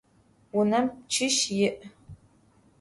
Vunem pççiş yi'.